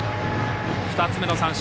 ２つ目の三振。